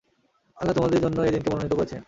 আল্লাহ তোমাদের জন্যে এ দীনকে মনোনীত করেছেন।